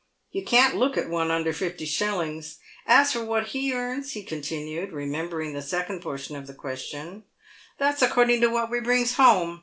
You can't look at one under fifty shillings. As for what he earns," he continued, remem bering the second portion of the question, " that's according to what we brings home.